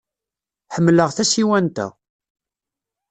Ḥemmleɣ tasiwant-a.